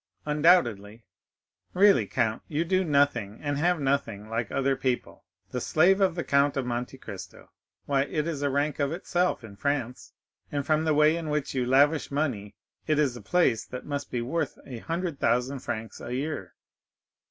"Undoubtedly." "Really, count, you do nothing, and have nothing like other people. The slave of the Count of Monte Cristo! Why, it is a rank of itself in France, and from the way in which you lavish money, it is a place that must be worth a hundred thousand francs a year."